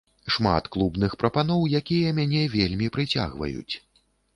Шмат клубных прапаноў, якія мяне вельмі прыцягваюць.